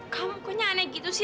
kamu kok nyane gitu sih